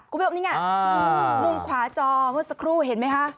มุมขวาจอเมื่อสักครู่เห็นมั้ยคะ